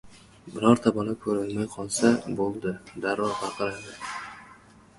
Birorta bola ko‘rinmay qolsa bo‘ldi — darrov baqiradi: